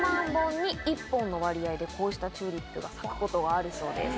の割合でこうしたチューリップが咲くことがあるそうです。